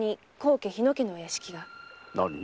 何？